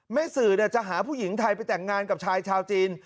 สื่อจะหาผู้หญิงไทยไปแต่งงานกับชายชาวจีน